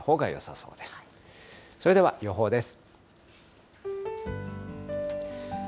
それでは予報です。